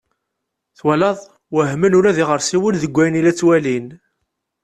Twalaḍ! Wehmen ula d iɣersiwen deg wayen i la ttwalin.